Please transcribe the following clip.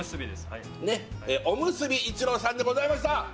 はいおむすび一路さんでございました